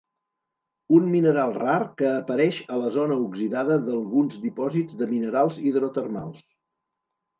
Un mineral rar que apareix a la zona oxidada d'alguns dipòsits de minerals hidrotermals.